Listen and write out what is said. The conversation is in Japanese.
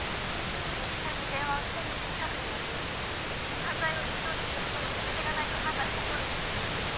江木さんに電話をして事実確認をし「犯罪を立証できるほどの決め手がない」と判断したそうです。